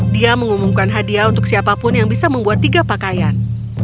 dia mengumumkan hadiah untuk siapapun yang bisa membuat tiga pakaian